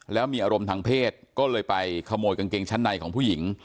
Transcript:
แล้วมีอารมณ์ทางเพศก็เลยไปขโมยกางเกงชั้นในของผู้หญิง